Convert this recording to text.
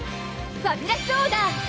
ファビュラスオーダー！